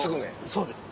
そうです。